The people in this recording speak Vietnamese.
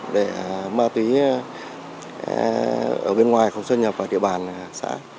để ma túy ở bên ngoài không xuất nhập vào địa bàn xã